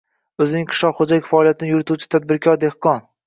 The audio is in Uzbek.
o‘zining qishloq xo‘jalik faoliyatini yurituvchi tadbirkor-dehqon.